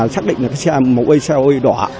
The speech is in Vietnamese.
xác định là cái xe màu ây xe ây đỏ